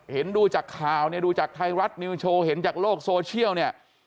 ดูจากข่าวเนี่ยดูจากไทยรัฐนิวโชว์เห็นจากโลกโซเชียลเนี่ย